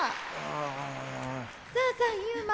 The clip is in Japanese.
さあさあユーマ！